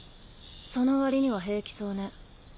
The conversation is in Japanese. その割には平気そうね。